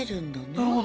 なるほど。